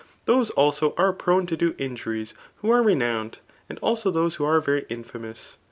l*hose also [are prone to do injuries} who art^ renowned, tnd also dibse who are very inlamous.